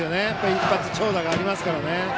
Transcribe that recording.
一発、長打がありますからね。